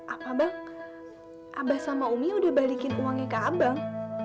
apa bang abah sama umi udah balikin uangnya ke abang